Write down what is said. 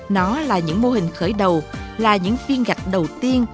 nó là những mô hình khởi đầu là những phiên gạch đầu tiên